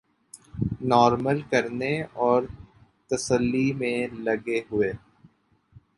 normal کرنے اور تسلی میں لگے ہوئے